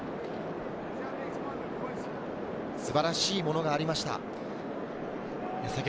素晴らしいものがありました。